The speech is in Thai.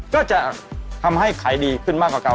ก็จะทำให้ขายดีขึ้นมากกว่าเก่า